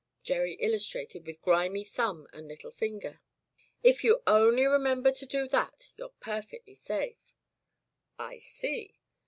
'" Gerry illustrated with grimy thumb and little finger. "If you only remember to do that you're perfectly safe." "I see."